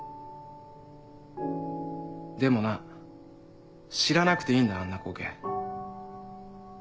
でもな知らなくていいんだあんな光景。